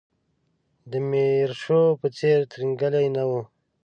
د میرشو په څېر ترینګلی نه و.